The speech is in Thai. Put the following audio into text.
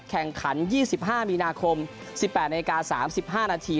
แข่งขัน๒๕มีนาคม๑๘นาที๓๕นาที